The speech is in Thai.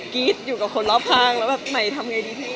รี๊ดอยู่กับคนรอบข้างแล้วแบบใหม่ทำไงดีพี่